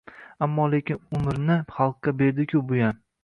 Ammo-lekin umrini xalqqa berdi-ku buyam!